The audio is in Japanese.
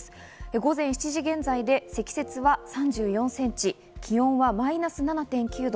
午前７時現在で積雪は３４ｃｍ、気温はマイナス７．９度。